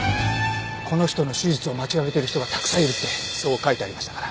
この人の手術を待ちわびてる人がたくさんいるってそう書いてありましたから。